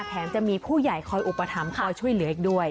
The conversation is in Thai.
แถมจะมีผู้ใหญ่คอยอุปถัมภ์คอยช่วยเหลืออีกด้วย